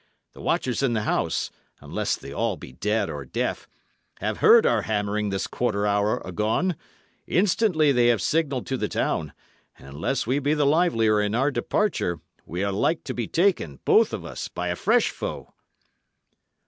The watchers in the house unless they be all dead or deaf have heard our hammering this quarter hour agone; instantly they will have signalled to the town; and unless we be the livelier in our departure, we are like to be taken, both of us, by a fresh foe."